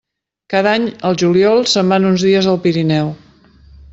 Cada any, al juliol, se'n van uns dies al Pirineu.